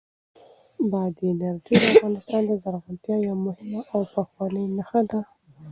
بادي انرژي د افغانستان د زرغونتیا یوه مهمه او پخوانۍ نښه ده.